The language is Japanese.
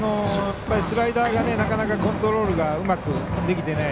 スライダーがなかなかコントロールがうまくできていない。